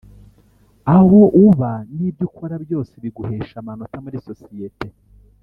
aho uba n’ibyo ukora byose biguhesha amanota muri sosiyete